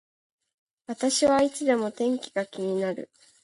私はいつでも天気が気になる